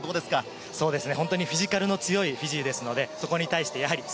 そうですね。